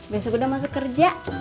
besok udah masuk kerja